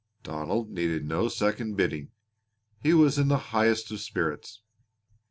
Donald needed no second bidding. He was in the highest of spirits.